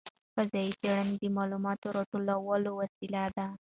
فضايي څېړنه د معلوماتو راټولولو وسیله ده.